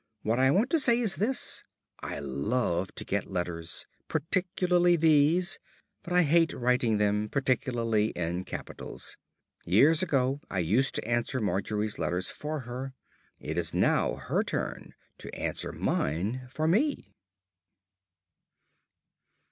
What I want to say is this: I love to get letters, particularly these, but I hate writing them, particularly in capitals. Years ago I used to answer Margery's letter for her. It is now her turn to answer mine for me.